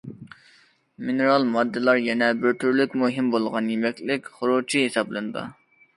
مىنېرال ماددىلار يەنە بىر تۈرلۈك مۇھىم بولغان يېمەكلىك خۇرۇچى ھېسابلىنىدۇ.